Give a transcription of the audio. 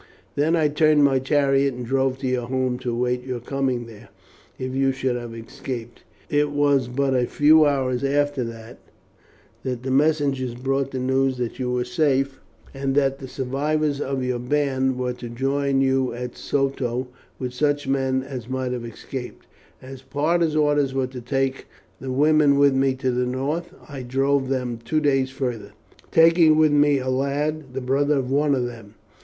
Then I turned my chariot and drove to your home to await your coming there if you should have escaped. It was but a few hours after that the messengers brought the news that you were safe, and that the survivors of your band were to join you at Soto with such men as might have escaped. As Parta's orders were to take the women with me to the north, I drove them two days farther, taking with me a lad, the brother of one of them.